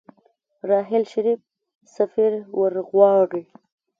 راحیل شريف سفير ورغواړي.